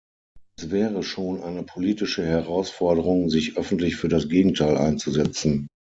Es wäre schon eine politische Herausforderung, sich öffentlich für das Gegenteil einzusetzen.